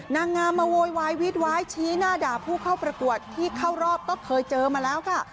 นางงามมาโวยวายวีดว้ายชี้หน้าด่าผู้เข้าประกวดที่เข้ารอบก็เคยเจอมาแล้วค่ะ